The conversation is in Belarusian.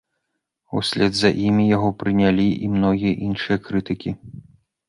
Услед за імі яго прынялі і многія іншыя крытыкі.